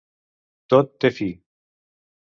Tot té fi.